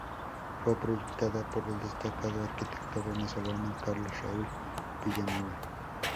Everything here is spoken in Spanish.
Fue proyectada por el destacado arquitecto venezolano Carlos Raúl Villanueva.